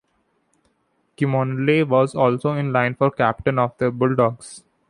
Kimmorley was also in line for captain of the Bulldogs.